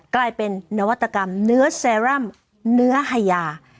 กลายเป็นนวัตกรรมเนื้อเซรั่มเนื้อหายา